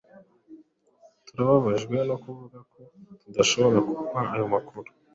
Turababajwe no kuvuga ko tudashobora kuguha ayo makuru.